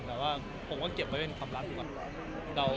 แต่ว่าผมก็เก็บไว้เป็นความรักดีกว่า